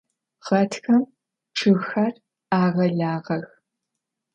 Ğatxem ççıgxer ağelağex.